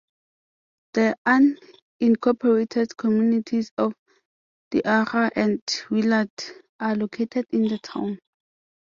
The unincorporated communities of Tioga and Willard are located in the town.